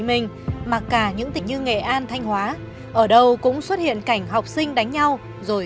minh mà cả những tỉnh như nghệ an thanh hóa ở đâu cũng xuất hiện cảnh học sinh đánh nhau rồi